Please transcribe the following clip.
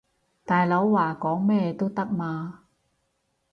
大佬話講咩都得嘛